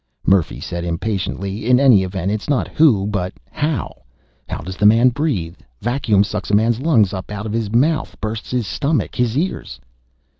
Murphy said impatiently. "In any event, it's not who but how. How does the man breathe? Vacuum sucks a man's lungs up out of his mouth, bursts his stomach, his ears...."